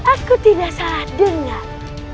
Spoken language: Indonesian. aku tidak salah dengar